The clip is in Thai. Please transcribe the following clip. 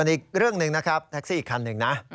ส่วนอีกเรื่องนึงนะครับแท็กซี่อีกทางนึงนะ